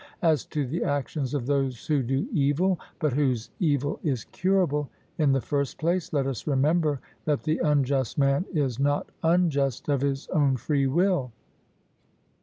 As to the actions of those who do evil, but whose evil is curable, in the first place, let us remember that the unjust man is not unjust of his own free will.